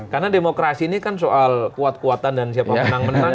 karena demokrasi ini kan soal kuat kuatan dan siapa menang menang